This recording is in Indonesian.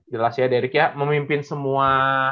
jelas ya derik ya memimpin semua